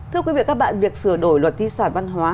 thưa quý vị và các bạn việc sửa đổi luật di sản văn hóa